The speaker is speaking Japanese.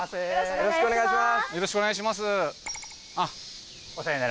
よろしくお願いします